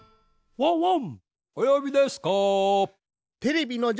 ワンワン！